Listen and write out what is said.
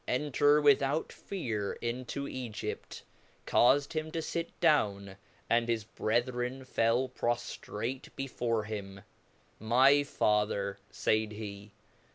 xi^ Enter without fear into j^^jff, caufed him to fit down, and his brethren fell proftrate before him. My Father, faid he.